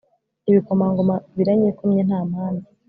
ibikomangoma biranyikomye nta mpamvu